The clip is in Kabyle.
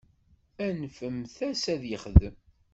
Anfemt-as ad t-yexdem.